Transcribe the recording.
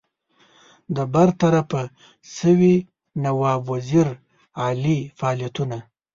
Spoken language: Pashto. د برطرفه سوي نواب وزیر علي فعالیتونو.